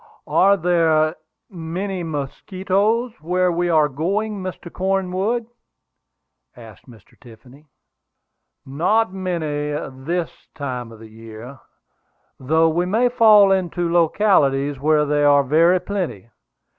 "Are there many mosquitoes where we are going, Mr. Cornwood?" asked Mr. Tiffany. "Not many at this season of the year, though we may fall into localities where they are very plenty.